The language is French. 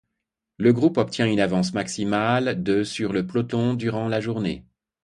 Le groupe obtient une avance maximale de sur le peloton durant la journée.